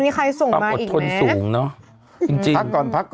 มีใครส่งมาอีกนะความอดทนสูงเนอะ